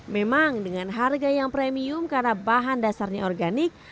memang dengan harga yang premium karena bahan dasarnya organik